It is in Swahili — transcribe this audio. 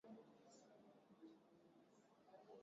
kila kitu ni mbaya watafurahi zaidi kusikia kwamba wanafanya